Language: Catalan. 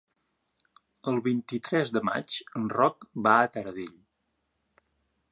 El vint-i-tres de maig en Roc va a Taradell.